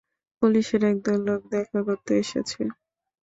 পুলিশের একদল লোক দেখা করতে এসেছে।